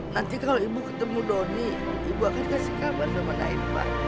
nanti kalau ibu ketemu doni ibu akan kasih kabar sama naim pak